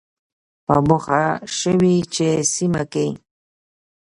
په موخه شوې چې سیمه کې